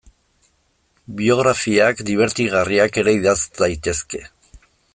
Biografiak dibertigarriak ere idatz daitezke.